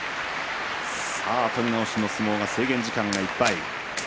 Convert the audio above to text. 取り直しの相撲が制限時間いっぱい。